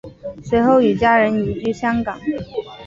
随后与家人移居香港。